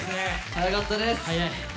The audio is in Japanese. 早かったです。